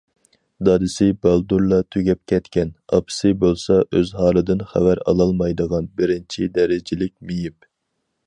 دادىسى بالدۇرلا تۈگەپ كەتكەن، ئاپىسى بولسا، ئۆز ھالىدىن خەۋەر ئالالمايدىغان بىرىنچى دەرىجىلىك مېيىپ.